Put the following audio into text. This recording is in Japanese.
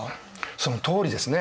そのとおりですね。